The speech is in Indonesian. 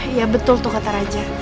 iya betul tuh kata raja